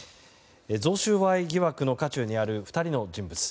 贈収賄疑惑の渦中にある２人の人物。